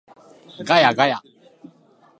ガヤガヤ